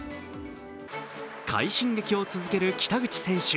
快進撃を続ける北口選手。